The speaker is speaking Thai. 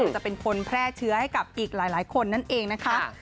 จะเป็นคนแพร่เชื้อให้กับอีกหลายคนนั่นเองนะคะ